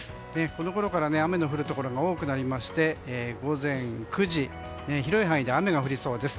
このころから雨の降るところが多くなりまして午前９時、広い範囲で雨が降りそうです。